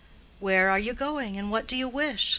"Where are you going, and what do you wish?"